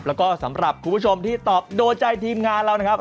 แล้วก็สำหรับคุณผู้ชมที่ตอบโดนใจทีมงานเรานะครับ